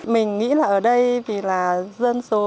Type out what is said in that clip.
mình nghĩ là ở đây vì là dân số